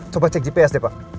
coba cek gps deh pak